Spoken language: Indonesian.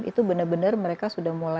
itu benar benar mereka sudah mulai